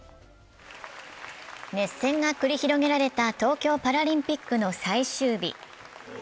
熱戦が繰り広げられた東京パラリンピックの最終日。